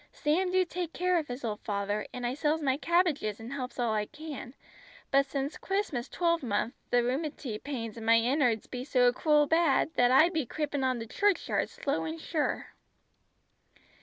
"Sam do take care of his old father, an' I sells my cabbages an' helps all I can; but since Christmas twelvemonth the rheumaty pains in my innerds be so cruel bad, that I be creepin' on to church yard slow and sure."